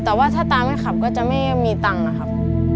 แต่ว่าถ้าตาไม่ขับก็จะไม่มีตังค์นะครับ